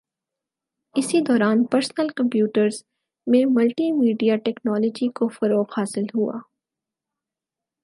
اسی دوران personal computers میں ملٹی میڈیا ٹیکنولوجی کو فروغ حاصل ہوا